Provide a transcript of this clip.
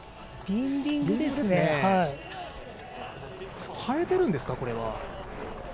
ビンディングですね。替えてるんですか？